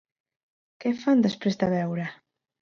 Què fan després de beure?